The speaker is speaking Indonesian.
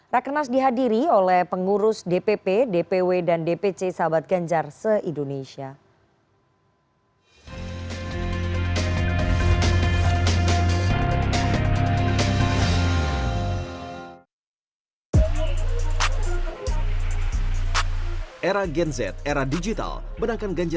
rakenas dihadiri oleh pengurus dpp dpw dan dpc sahabat ganjar se indonesia